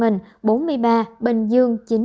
bình dương chín